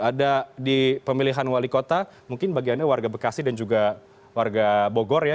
ada di pemilihan wali kota mungkin bagiannya warga bekasi dan juga warga bogor ya